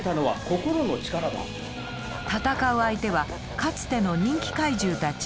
戦う相手はかつての人気怪獣たち。